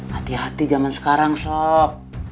hati hati zaman sekarang sop